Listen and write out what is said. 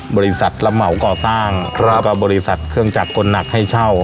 บริษัทรับเหมาก่อสร้างแล้วก็บริษัทเครื่องจักรคนหนักให้เช่า